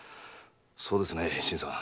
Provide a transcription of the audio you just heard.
そうですね新さん。